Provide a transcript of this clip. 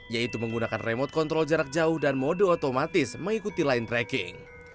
yaitu menggunakan remote control jarak jauh dan mode otomatis mengikuti line tracking